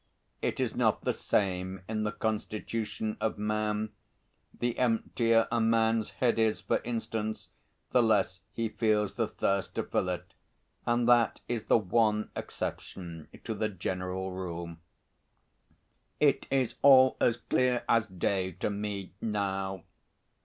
It is not the same in the constitution of man: the emptier a man's head is, for instance, the less he feels the thirst to fill it, and that is the one exception to the general rule. It is all as clear as day to me now.